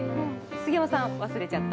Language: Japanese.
杉山さん、忘れちゃった？